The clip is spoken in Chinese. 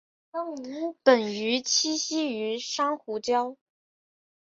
本鱼栖息于珊瑚礁。